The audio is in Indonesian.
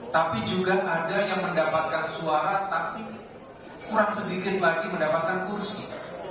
tapi juga ada yang mendapatkan suara tapi kurang sedikit lagi mendapatkan kursi